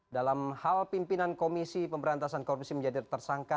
dalam hal pimpinan komisi pemberantasan korupsi menjadi tersangka